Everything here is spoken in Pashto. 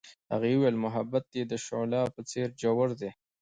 هغې وویل محبت یې د شعله په څېر ژور دی.